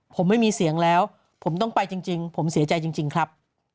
ผมไม่มีเสียงแล้วผมต้องไปจริงผมเสียใจจริงครับ